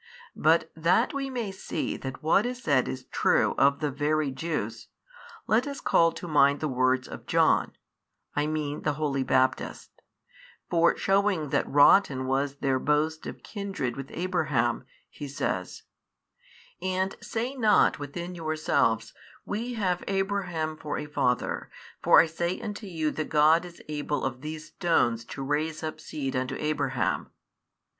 But that we may see that what is said is true of the very Jews, let us call to mind the words of John (I mean the holy Baptist), for shewing that rotten was their boast of kindred with Abraham, he says, And say not within yourselves, We have Abraham for a father, for I say unto you that God is able of these stones to raise up seed unto Abraham.